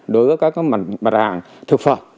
đối với các cái mặt hàng thực phẩm